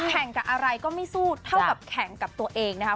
แข่งกับอะไรก็ไม่สู้เท่ากับแข่งกับตัวเองนะครับ